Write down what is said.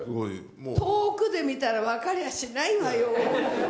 遠くで見たら分かりゃしないわよ。